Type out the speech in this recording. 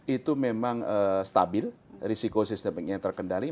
itu memang stabil risiko sistemiknya terkendali